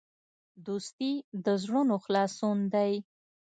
دوستي د زړونو خلاصون دی.